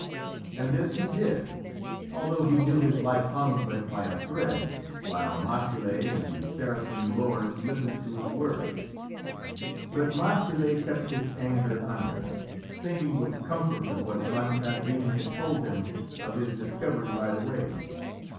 And this he did, although he knew his life hung but by a thread while Marsile and the Saracen lords listened to his words. But Marsile kept his anger under, thinking with comfort of what Blancandrin had told him of his discovery by the way.